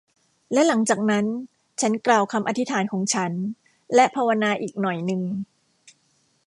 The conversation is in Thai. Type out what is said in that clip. และหลังจากนั้นฉันกล่าวคำอธิษฐานของฉัน และภาวนาอีกหน่อยนึง